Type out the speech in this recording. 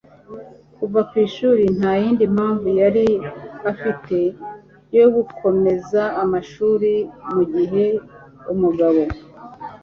kuva ku ishuri. ntayindi mpamvu yari afite yo gukomeza amashuri mugihe umugabo